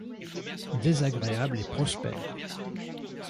Désagréable et prospère